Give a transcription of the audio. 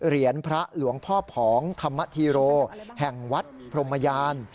เหรียญพระหลวงพ่อผองธรรมธีโรแห่งวัดพรมยาน